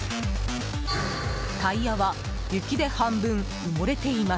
タイヤは雪で半分埋もれています。